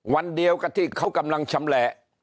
วันเดียวกับที่เขากำลังชำแหละ